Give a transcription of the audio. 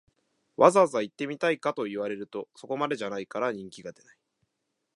わざわざ行ってみたいかと言われると、そこまでじゃないから人気が出ない